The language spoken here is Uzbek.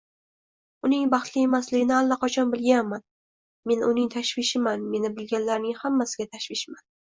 Uning baxtli emasligini allaqachon bilganman, men uning tashvishiman, meni bilganlarning hammasiga tashvishman